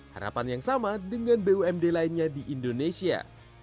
harapan yang sama dengan bumd lainnya di indonesia